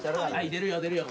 出るよ出るよ。